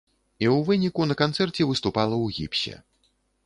І ў выніку на канцэрце выступала ў гіпсе.